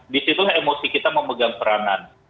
di situ emosi kita memegang perasaan